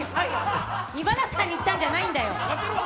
今田さんに言ったんじゃないんだよ。